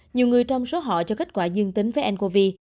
nhiều người trong số họ cho kết quả dương tính với ncov